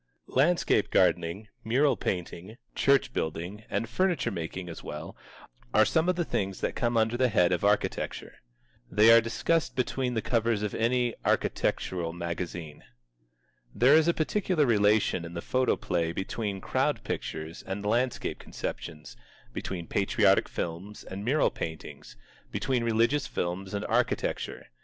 Landscape gardening, mural painting, church building, and furniture making as well, are some of the things that come under the head of architecture. They are discussed between the covers of any architectural magazine. There is a particular relation in the photoplay between Crowd Pictures and landscape conceptions, between Patriotic Films and mural paintings, between Religious Films and architecture.